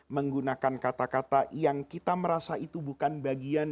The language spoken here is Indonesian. menggunakan kata kata yang kita merasa itu bukan bagian